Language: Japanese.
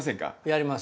やります。